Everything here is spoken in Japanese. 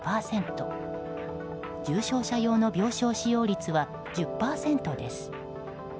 重症者用の病床使用率は１０％です。